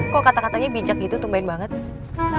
kok kata katanya bijak gitu tumpahin banget